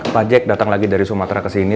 oh ya ini pak jack datang lagi dari sumatera kesini